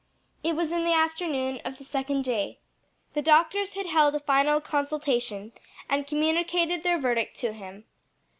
It was in the afternoon of the second day. The doctors had held a final consultation and communicated their verdict to him.